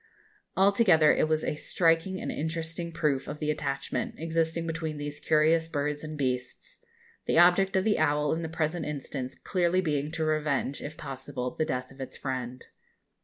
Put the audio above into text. Altogether it was a striking and interesting proof of the attachment existing between these curious birds and beasts; the object of the owl in the present instance clearly being to revenge if possible the death of its friend.